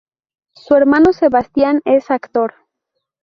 Su hermano Sebastian es actor.